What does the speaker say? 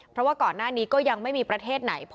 เพราะว่าก่อนหน้านี้ก็ยังไม่มีประเทศไหน